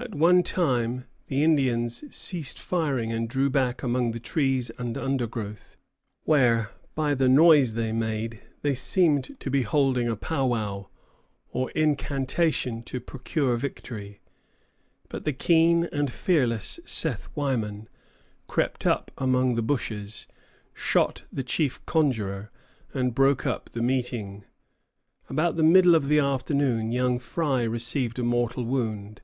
At one time the Indians ceased firing and drew back among the trees and undergrowth, where, by the noise they made, they seemed to be holding a "pow wow," or incantation to procure victory; but the keen and fearless Seth Wyman crept up among the bushes, shot the chief conjurer, and broke up the meeting. About the middle of the afternoon young Frye received a mortal wound.